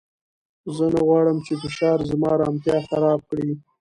زه نه غواړم چې فشار زما ارامتیا خراب کړي.